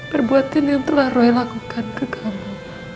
perbuatan yang telah roy lakukan ke kamu